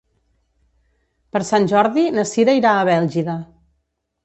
Per Sant Jordi na Cira irà a Bèlgida.